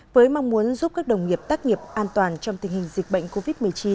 với mong muốn giúp các đồng nghiệp tác nghiệp an toàn trong tình hình dịch bệnh covid một mươi chín